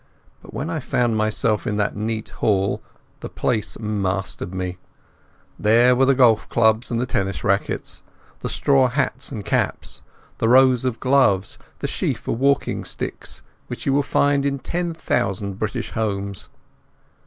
But when I found myself in that neat hall the place mastered me. There were the golf clubs and tennis rackets, the straw hats and caps, the rows of gloves, the sheaf of walking sticks, which you will find in ten thousand British homes.